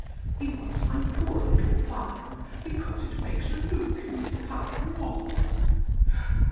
He wants my poor little farm because it makes a nook in his park wall.